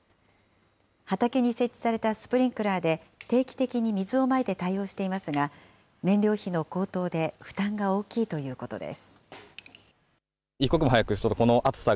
畑に設置されたスプリンクラーで定期的に水をまいて対応していますが、燃料費の高騰で負担が大きいということです。